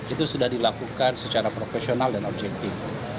itu sudah dilakukan secara profesional dan objektif